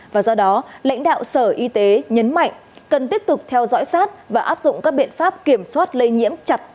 và do đó lãnh đạo sở y tế nhấn mạnh cần tiếp tục theo dõi sát và áp dụng các biện pháp kiểm soát lây nhiễm chặt